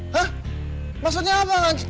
hah maksudnya apa